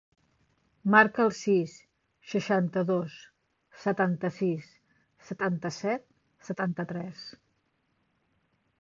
Marca el sis, seixanta-dos, setanta-sis, setanta-set, setanta-tres.